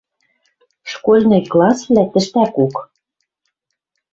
Школьный классвлӓ тӹштӓкок.